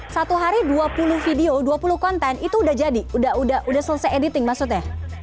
satu hari dua puluh video dua puluh konten itu udah jadi udah selesai editing maksudnya